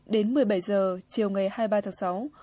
đến một mươi bảy h chiều ngày hai mươi ba tháng sáu